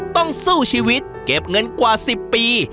ต้องสู้ชีวิตเก็บเงินกว่า๑๐ปี